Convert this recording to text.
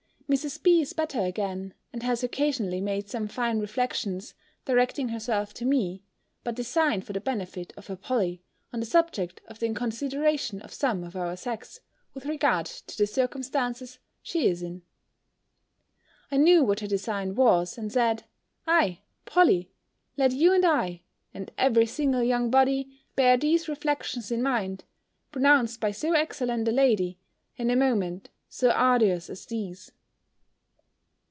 Mrs. B. is better again, and has, occasionally, made some fine reflections, directing herself to me, but designed for the benefit of her Polly, on the subject of the inconsideration of some of our sex, with regard to the circumstances she is in. I knew what her design was, and said, "Aye, Polly, let you and I, and every single young body, bear these reflections in mind, pronounced by so excellent a lady, in a moment so arduous as these!"